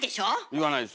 言わないですよ。